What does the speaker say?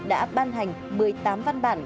đã ban hành một mươi tám văn bản